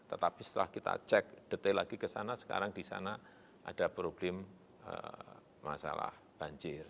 tetapi setelah kita cek detail lagi ke sana sekarang di sana ada masalah banjir